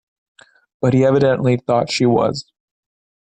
But he evidently thought she was.